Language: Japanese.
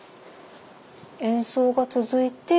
演奏が続いて。